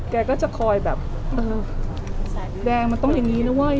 แกก็จะคอยแบบเออแดงมันต้องอย่างนี้นะเว้ย